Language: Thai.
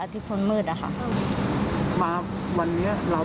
มีความกลัว